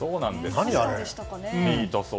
何あれ。